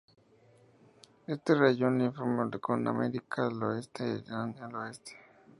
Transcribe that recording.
Este rayón es limítrofe con Armenia en el este e Irán en el oeste.